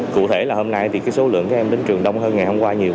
cụ thể là hôm nay thì số lượng các em đến trường đông hơn ngày hôm qua nhiều